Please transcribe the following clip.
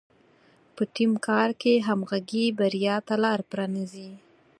په ټیم کار کې همغږي بریا ته لاره پرانیزي.